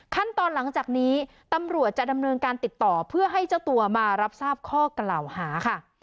ขั้นตอนหลังจากนี้ตำรวจจะดำเนินการติดต่อเพื่อให้เจ้าตัวมารับทราบข้อกล่าวหาค่ะ